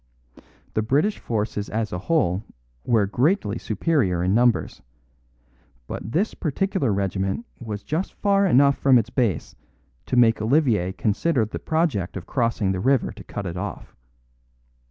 The British forces as a whole were greatly superior in numbers; but this particular regiment was just far enough from its base to make Olivier consider the project of crossing the river to cut it off.